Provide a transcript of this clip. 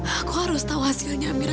aku harus tahu hasilnya mira